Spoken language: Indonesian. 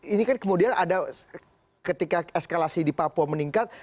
ini kan kemudian ada ketika eskalasi di papua meningkat